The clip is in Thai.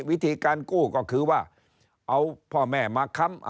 วิธีการกู้ก็คือว่าเอาพ่อแม่มาค้ำ